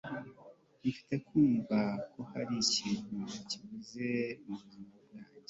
Mfite kumva ko hari ikintu kibuze mubuzima bwanjye